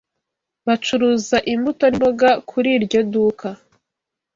Bacuruza imbuto n'imboga kuri iryo duka